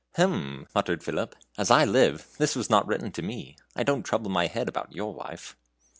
"Hem!" muttered Philip. "As I live, this was not written to me. I don't trouble my head about your wife."